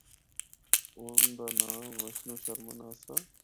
اُن دا ناں وشنو شرمن آسا۔